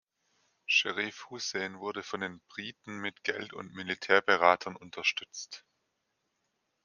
Scherif Hussein wurde von den Briten mit Geld und Militärberatern unterstützt.